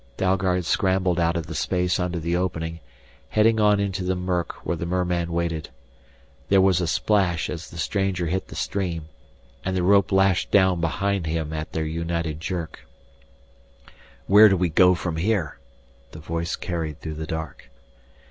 Dalgard scrambled out of the space under the opening, heading on into the murk where the merman waited. There was a splash as the stranger hit the stream, and the rope lashed down behind him at their united jerk. "Where do we go from here?" The voice carried through the dark.